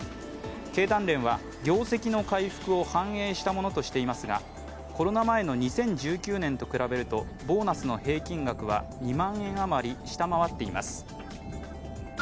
経団連は業績の回復を反映したものとしていますがコロナ前の２０１９年と比べるとボーナスの平均額は２万円余り下回っています。